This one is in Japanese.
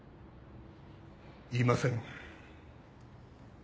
いません。